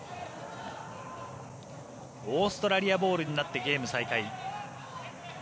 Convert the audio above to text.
オーストラリアボールになってゲーム再開。